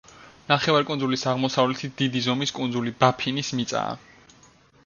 ნახევარკუნძულის აღმოსავლეთით დიდი ზომის კუნძული ბაფინის მიწაა.